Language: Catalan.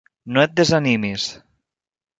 No et desanimis!